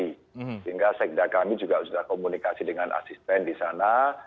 sehingga sekda kami juga sudah komunikasi dengan asisten di sana